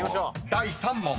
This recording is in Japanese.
第３問］